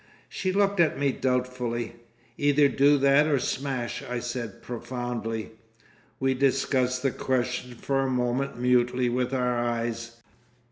She looked at me doubtfully. "Either do that or smash," I said profoundly. We discussed the question for a moment mutely with our eyes.